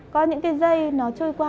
có những dây nó trôi qua